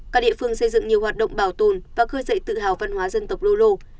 các địa phương xây dựng nhiều hoạt động bảo tồn và khơi dậy tự hào văn hóa dân tộc lô lô